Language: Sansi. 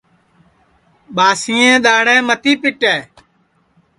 ٻاسئیں دؔاڑھیں متی پیٹے